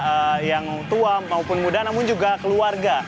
tidak hanya yang tua maupun muda namun juga keluarga